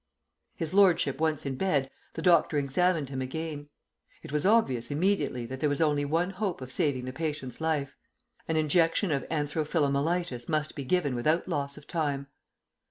His lordship once in bed, the doctor examined him again. It was obvious immediately that there was only one hope of saving the patient's life. An injection of anthro philomelitis must be given without loss of time.